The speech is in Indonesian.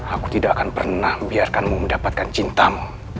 aku tidak akan pernah membiarkanmu mendapatkan cintamu